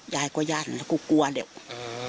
เฮ้ยยายก็ยานแล้วกูกลัวเดี๋ยวอืม